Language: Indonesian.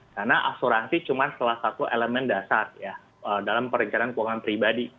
karena asuransi cuma salah satu elemen dasar ya dalam perencanaan keuangan pribadi